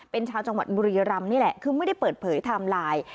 เป็นชาวจังหวัดบุรีรำนี่แหละคือไม่ได้เปิดเผยไทม์ไลน์